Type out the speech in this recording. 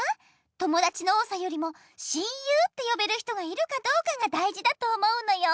友だちの多さよりも親友ってよべる人がいるかどうかが大事だと思うのよ。